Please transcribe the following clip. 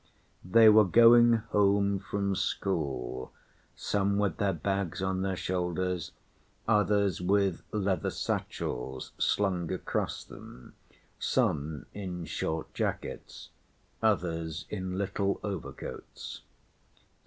They were going home from school, some with their bags on their shoulders, others with leather satchels slung across them, some in short jackets, others in little overcoats.